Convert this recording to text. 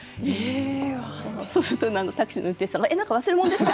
そうするとタクシーの運転手さんが何か忘れ物ですか？